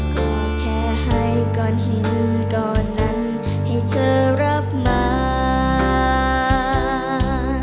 ก็แค่ให้ก่อนเห็นก่อนนั้นให้เธอรับมา